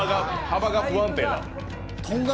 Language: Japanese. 幅が不安定だ。